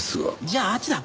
じゃああっちだ。